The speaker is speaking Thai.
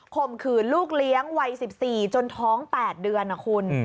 ข่มขืนลูกเลี้ยงวัย๑๔จนท้อง๘เดือนนะคุณ